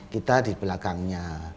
kita di belakangnya